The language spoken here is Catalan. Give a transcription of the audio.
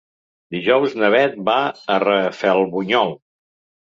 Dijous na Beth va a Rafelbunyol.